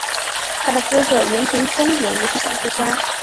她的哥哥原田宗典也是小说家。